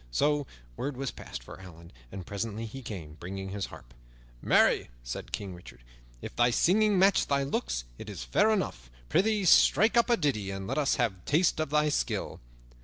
So word was passed for Allan, and presently he came, bringing his harp. "Marry," said King Richard, "if thy singing match thy looks it is fair enough. Prythee, strike up a ditty and let us have a taste of thy skill."